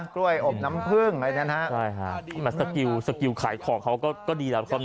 กล้วยอบน้ำพื้งอะไรแบบนี้นะฮะสกิลขายของเขาก็ดีแล้ว